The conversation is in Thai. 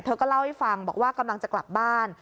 ก็เล่าให้ฟังบอกว่ากำลังจะกลับบ้าน